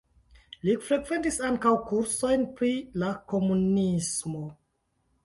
Li frekventis ankaŭ kursojn pri la komunismo.